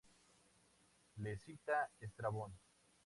Le cita Estrabón.